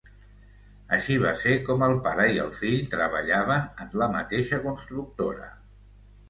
Així va ser com el pare i el fill treballaven en la mateixa constructora.